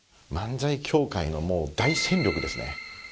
漫才協会のもう大戦力ですね